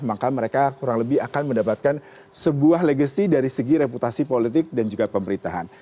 maka mereka kurang lebih akan mendapatkan sebuah legacy dari segi reputasi politik dan juga pemerintahan